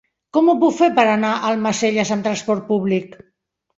Com ho puc fer per anar a Almacelles amb trasport públic?